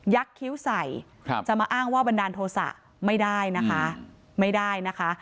ยักษ์คิ้วใส่จะมาอ้างว่าบันดาลโทษะไม่ได้นะคะ